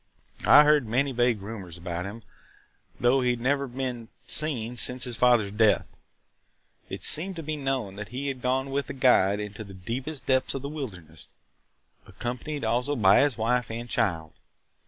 I heard many vague rumors about him, though he had never been seen since his father's death. It seemed to be known that he had gone with a guide into the deepest depths of the wilderness, accompanied also by his wife and child.